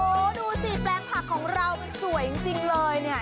โอ้โหดูสิแปลงผักของเรามันสวยจริงเลยเนี่ย